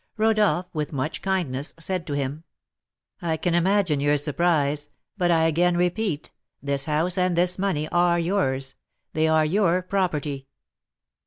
Rodolph, with much kindness, said to him: "I can imagine your surprise; but I again repeat, this house and this money are yours, they are your property."